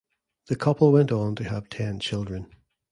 The couple went on to have ten children.